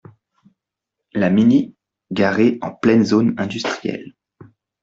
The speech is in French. La Mini garée en pleine zone industrielle